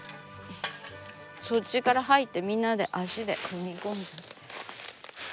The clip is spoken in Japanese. そっちから入ってみんなで足で踏み込む。